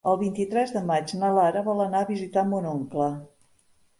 El vint-i-tres de maig na Lara vol anar a visitar mon oncle.